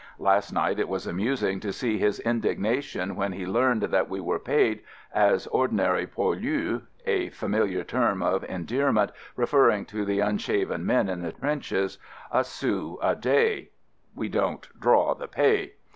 Last night it was amusing to see his indignation when he learned that we were paid, as ordinary "poilus" (a fa miliar term of endearment referring to the unshaven men in the trenches), a sou a day (we don't draw the pay!).